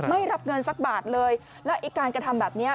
ไม่รับเงินสักบาทเลยแล้วไอ้การกระทำแบบนี้